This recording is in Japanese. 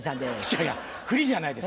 いやいやふりじゃないです。